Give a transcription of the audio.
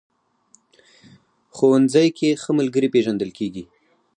ښوونځی کې ښه ملګري پېژندل کېږي